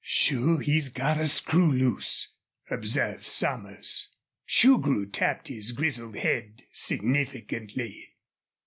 "Sure he's got a screw loose," observed Somers. Shugrue tapped his grizzled head significantly.